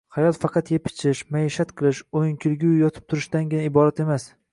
Hayot faqat yeb-ichish, maishat qilish, o‘yin-kulgiyu yotib-turishdangina iborat emas.